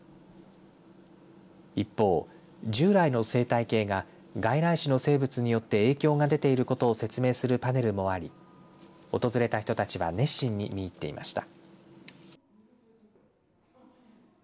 一方、従来の生態系が外来種の生物によって影響が出ていることを説明するパネルもあり訪れた人たちは熱心に見入っていました。